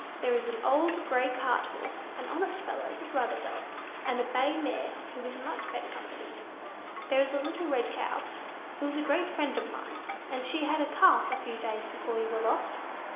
There is an old grey cart horse, an honest fellow, but rather dull; and a bay mare who is much better company. There is a little red cow who is a great friend of mine, and she had a calf a few days before you were lost.